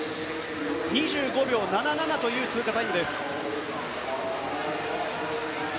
２５秒７７という通過タイム。